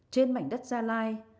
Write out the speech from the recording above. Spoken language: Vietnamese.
trên mảnh đất gia lai